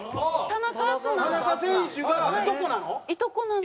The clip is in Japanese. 田中選手がいとこなの？